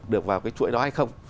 được vào cái chuỗi đó hay không